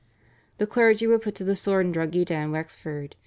The clergy were put to the sword in Drogheda and Wexford.